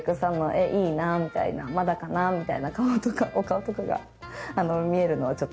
「えっいいな」みたいな「まだかな？」みたいな顔とかお顔とかが見えるのはちょっと。